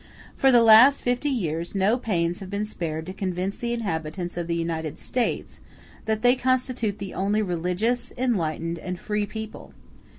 For the last fifty years no pains have been spared to convince the inhabitants of the United States that they constitute the only religious, enlightened, and free people.